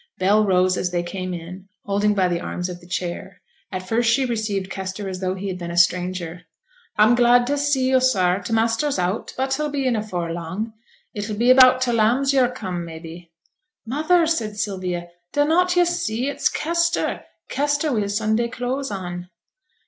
Bell rose as they came in, holding by the arms of the chair. At first she received Kester as though he had been a stranger. 'I'm glad to see yo', sir; t' master's out, but he'll be in afore long. It'll be about t' lambs yo're come, mebbe?' 'Mother!' said Sylvia, 'dunnot yo' see? it's Kester, Kester, wi' his Sunday clothes on.'